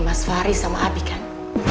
mas fahri sama abi kan